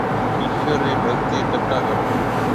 ايشوَر رِي ڀگتِي ڪرتا ڪرون۔